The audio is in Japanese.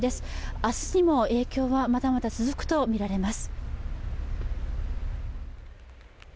明日にも影響がまだまだ続くとみられます。